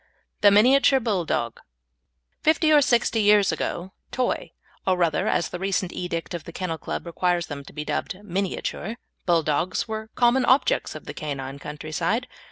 THE MINIATURE BULLDOG Fifty or sixty years ago, Toy or, rather, as a recent edict of the Kennel Club requires them to be dubbed, Miniature Bulldogs were common objects of the canine country side.